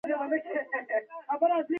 دلته اوړي په رښتیا ګرم او ځوروونکي وي.